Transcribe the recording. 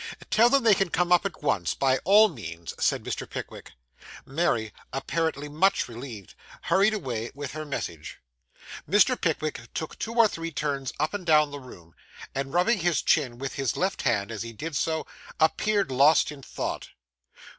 'Tell them they can come up at once, by all means,' said Mr. Pickwick. Mary, apparently much relieved, hurried away with her message. Mr. Pickwick took two or three turns up and down the room; and, rubbing his chin with his left hand as he did so, appeared lost in thought.